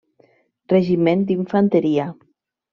Regiment d'infanteria.